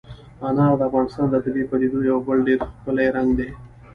انار د افغانستان د طبیعي پدیدو یو بل ډېر ښکلی رنګ دی.